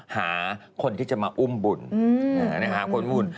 หาคนที่จะมาอุ้มบุญ